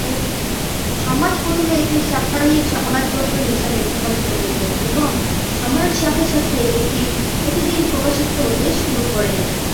সমাজ প্রথমে একটি সাপ্তাহিক সংবাদপত্র হিসাবে প্রকাশিত হত এবং সময়ের সাথে সাথে এটি প্রতিদিন প্রকাশিত হতে শুরু করে।